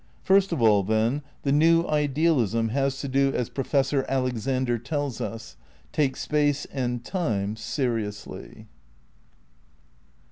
First of all, then, the New Idealism has to do as Pro fessor Alexander tells us, "Take space and time seriously."